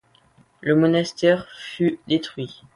Le monastère fut détruit.